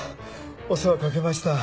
お世話かけました。